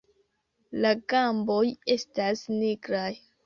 La gamboj estas nigraj.